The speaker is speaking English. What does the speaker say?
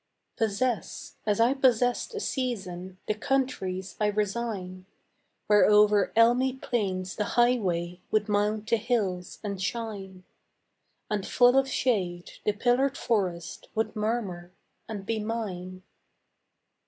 Possess, as I possessed a season, The countries I resign, Where over elmy plains the highway Would mount the hills and shine, And full of shade the pillared forest Would murmur and be mine.